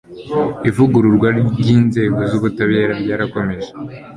ivugururwa ry'inzego z'ubutabera ryarakomeje